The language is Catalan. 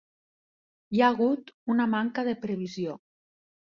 Hi ha hagut una manca de previsió.